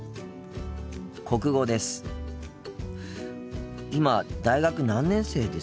国語です。